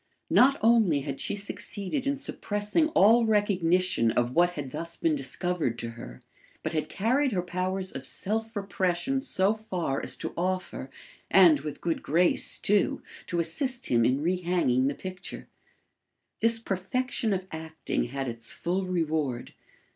Not only had she succeeded in suppressing all recognition of what had thus been discovered to her, but had carried her powers of self repression so far as to offer, and with good grace too, to assist him in rehanging the picture. This perfection of acting had its full reward.